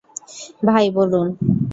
ভাই, বলুন।